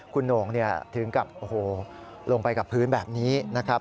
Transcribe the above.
คุณองค์ถึงลงไปกับพื้นแบบนี้นะครับ